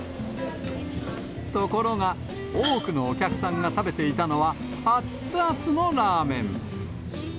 ところが、多くのお客さんが食べていたのは、あっつあつのラーメン。